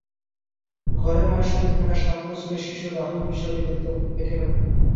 ঘরে মায়ের সঙ্গে থাকা সাত বছরের শিশু রাহুল বিষয়টি দেখে ফেলে।